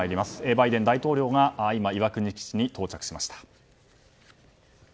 バイデン大統領が岩国基地に到着しました。